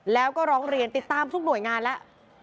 แล้วก็ร้องเรียนติดตามทุกหน่วยงานแล้ว